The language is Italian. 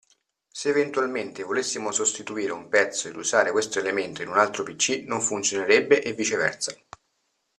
Se eventualmente volessimo sostituire un pezzo ed usare questo elemento in un altro pc non funzionerebbe e viceversa.